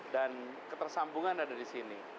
dan ketersambungan ada di sini